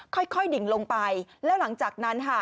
ค่อยดิ่งลงไปแล้วหลังจากนั้นค่ะ